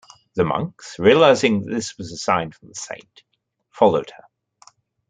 The monks, realising that this was a sign from the saint, followed her.